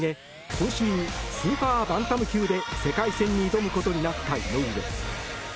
今週、スーパーバンタム級で世界戦に挑むことになった井上。